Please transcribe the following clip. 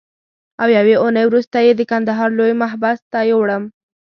له یوې اونۍ وروسته یې د کندهار لوی محبس ته یووړم.